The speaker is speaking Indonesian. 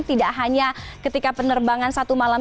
tidak hanya ketika penerbangan satu malam